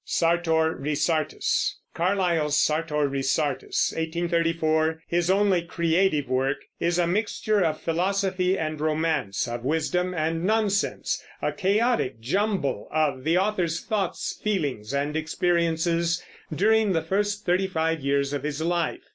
Carlyle's Sartor Resartus (1834), his only creative work, is a mixture of philosophy and romance, of wisdom and nonsense, a chaotic jumble of the author's thoughts, feelings, and experiences during the first thirty five years of his life.